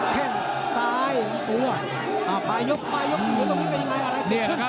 แค่งซ้ายตัวตรงนี้เป็นยังไงอะไรขึ้น